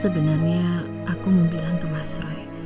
sebenarnya aku mau bilang ke mas roy